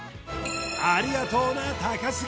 ありがとうな高杉！